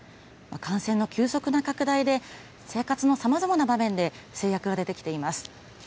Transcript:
感染の急速な拡大で生活の様々な場面で、制約が出てきています。